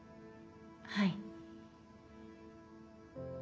はい。